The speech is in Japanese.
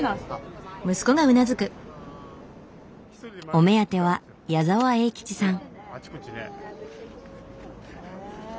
お目当ては矢沢永吉さん。